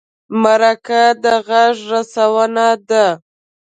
مرکه د غږ رسونه ده.